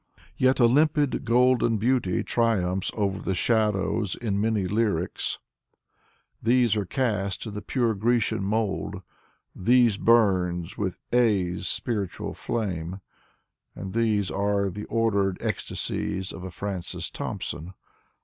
Yet a limpid, golden beauty triumphs over the shadows in many lyrics. These are cast in the pure Grecian mold, these burn with " J^ " 's spiritual flame, and these are the ordered ecstasies of a Francis Thompson.